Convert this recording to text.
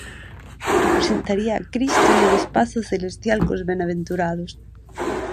Representaría a Cristo nun espazo celestial cos benaventurados.